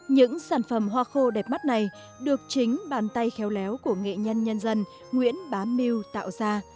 những sản phẩm hoa khô đẹp mắt này được chính bàn tay khéo léo của nghệ nhân nhân dân nguyễn bá miêu tạo ra